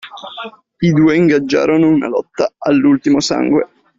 I due ingaggiarono una lotta all’ultimo sangue.